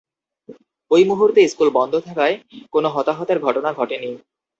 ওই মুহূর্তে স্কুল বন্ধ থাকায় কোনো হতাহতের ঘটনা ঘটেনি।